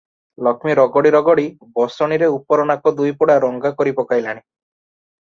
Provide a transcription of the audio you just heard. ଲକ୍ଷ୍ମୀ ରଗଡ଼ି ରଗଡ଼ି ବସଣୀରେ ଉପର ନାକ ଦୁଇପୁଡ଼ା ରଙ୍ଗା କରି ପକାଇଲାଣି ।